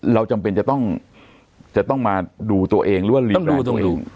เราจำเป็นจะต้องมาดูตัวเองหรือว่าลีบร้อยตรง